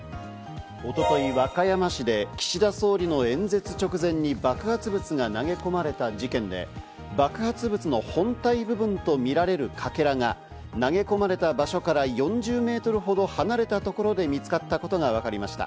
一昨日、和歌山市で岸田総理の演説直前に爆発物が投げ込まれた事件で、爆発物の本体部分とみられるかけらが投げ込まれた場所から４０メートルほど離れた所で見つかったことがわかりました。